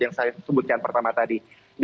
yang saya sebutkan pertama tadi